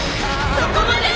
そこまで！